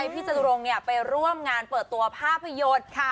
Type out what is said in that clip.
พี่จตุรงไปร่วมงานเปิดตัวภาพยนต์คะ